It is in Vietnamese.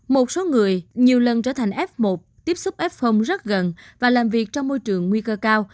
một số người nhiều lần trở thành f một tiếp xúc f rất gần và làm việc trong môi trường nguy cơ cao